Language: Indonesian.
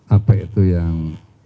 apa itu yang